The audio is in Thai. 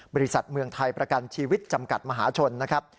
บริษัทเมืองไทยประกันชีวิตจำกัดมหาชนนะครับ